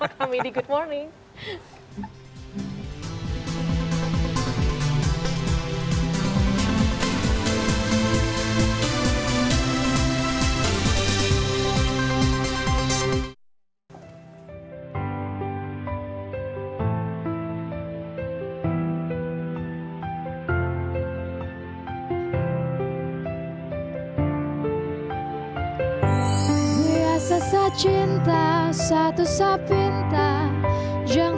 kami di good morning